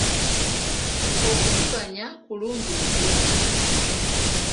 Okuvuganya kulungi mu bizinensi.